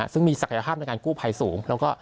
ซึ่งมีศักยภาพในการกู้ภัยสูง